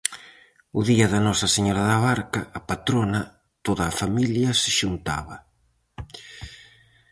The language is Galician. O día da Nosa Señora da Barca, a patrona, toda a familia se xuntaba.